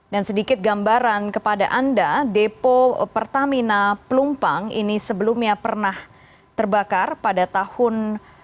dan sedikit gambaran kepada anda depo pertamina plumpang ini sebelumnya pernah terbakar pada tahun dua ribu sembilan